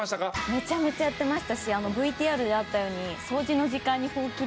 めちゃめちゃやってましたしＶＴＲであったように掃除の時間にほうきで。